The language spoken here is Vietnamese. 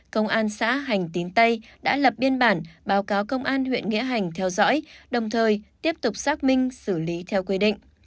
công an xã hành tín tây đã lập biên bản báo cáo công an huyện nghĩa hành theo dõi đồng thời tiếp tục xác minh xử lý theo quy định